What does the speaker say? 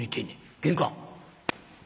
玄関？